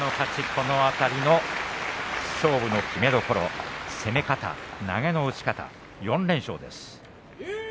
この辺りの勝負の決め所攻め方は投げの打ち方４連勝です。